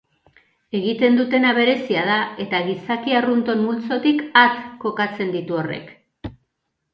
Egiten dutena berezia da eta gizaki arrunton multzotik at kokatzen ditu horrek.